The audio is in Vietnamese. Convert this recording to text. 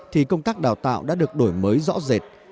thì công tác đào tạo đã được đổi mới rõ rệt